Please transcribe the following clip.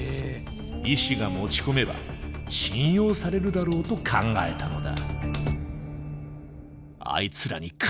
医師が持ち込めば信用されるだろうと考えたのだ。